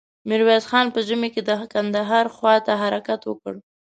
ميرويس خان په ژمې کې د کندهار خواته حرکت وکړ.